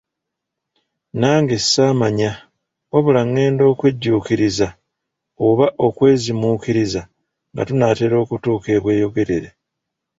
Nange saamanya, wabula ngenda okwejjuukiriza oba okweziimuukiriza nga tunaatera n'okutuuka e Bweyogerere.